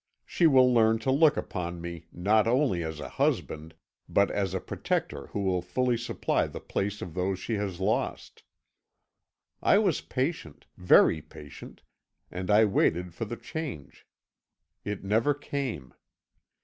She will learn to look upon me not only as a husband, but as a protector who will fully supply the place of those she has lost.' I was patient very patient and I waited for the change. It never came.